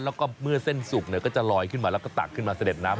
แล้วก็เมื่อเส้นสุกก็จะลอยขึ้นมาแล้วก็ตักขึ้นมาเสด็จน้ำ